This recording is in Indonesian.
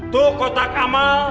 tuh kotak ama